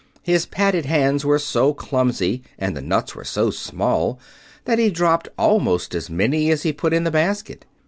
His padded hands were so clumsy and the nuts were so small that he dropped almost as many as he put in the basket.